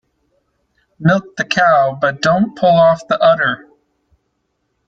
Milk the cow but don't pull off the udder.